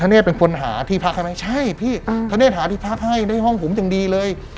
เนธเป็นคนหาที่พักให้ไหมใช่พี่ธเนธหาที่พักให้ได้ห้องผมอย่างดีเลย